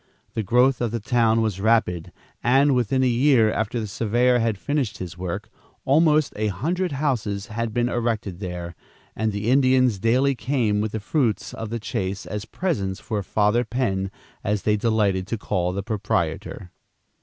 The growth of the town was rapid, and, within a year after the surveyor had finished this work, almost a hundred houses had been erected there, and the Indians daily came with the fruits of the chase as presents for "Father Penn," as they delighted to call the proprietor.